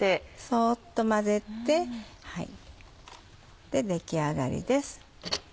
そっと混ぜて出来上がりです。